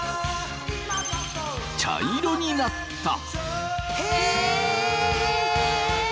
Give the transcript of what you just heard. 茶色になった！